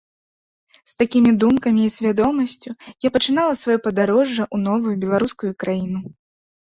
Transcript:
З такімі думкамі і свядомасцю я пачынала сваё падарожжа ў новую беларускую краіну.